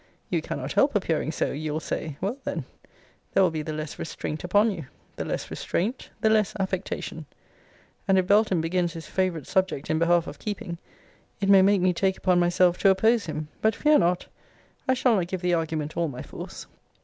You cannot help appearing so, you'll say. Well, then, there will be the less restraint upon you the less restraint, the less affectation. And if Belton begins his favourite subject in behalf of keeping, it may make me take upon myself to oppose him: but fear not; I shall not give the argument all my force.